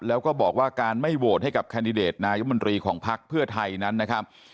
แล้วก็บอกว่าการไม่โหวตให้กับแคนดิเดตนายมนตรีของพักเพื่อไทยนั้นนะครับ